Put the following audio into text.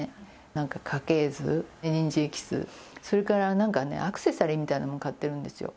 なんか家系図、人参エキス、それからなんかね、アクセサリーみたいなのも買ってるんですよ。